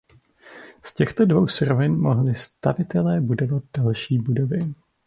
Z těchto dvou surovin mohli stavitelé budovat další budovy.